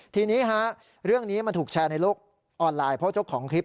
ทีนี้ฮะเรื่องนี้มันถูกแชร์ในโลกออนไลน์เพราะเจ้าของคลิป